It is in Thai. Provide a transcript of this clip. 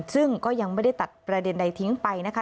ซึ่งก็ยังไม่ได้ตัดประเด็นใดทิ้งไปนะคะ